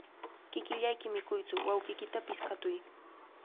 Kikillayki mikuytsu, wawqiykipaqpish katuy.